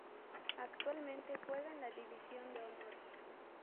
Actualmente juega en la División de Honor.